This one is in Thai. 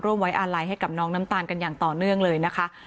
ไว้อาลัยให้กับน้องน้ำตาลกันอย่างต่อเนื่องเลยนะคะ